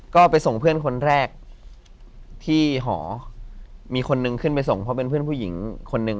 ก็ไปส่งเพื่อนคนแรกที่หอมีคนนึงขึ้นไปส่งเพราะเป็นเพื่อนผู้หญิงคนนึง